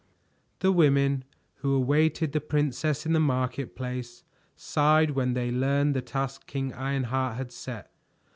The women who awaited the princess in the market place sighed when they learned the task King Ironheart had set.